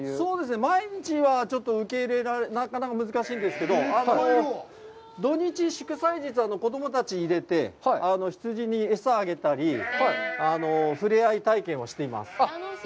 毎日はちょっと受け入れ、なかなか難しいんですけど、土・日、祝祭日は子供たちを入れて、羊に餌をあげたり、ふれあい体験をしています。